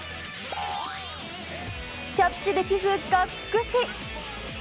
キャッチできずがっくし。